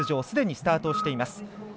すでにスタートしています。